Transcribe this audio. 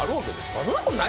そんなことないでしょ。